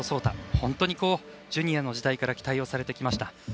本当にジュニアの時代から期待をされてきました。